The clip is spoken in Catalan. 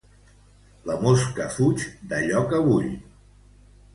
La mosca fuig d'allò que bull.